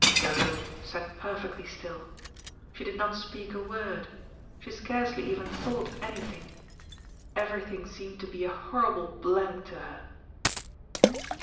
Dodo sat perfectly still. She did not speak a word; she scarcely even thought anything. Everything seemed to be a horrible blank to her.